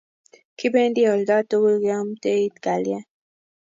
kibendi oldo tugul keomtei kalyet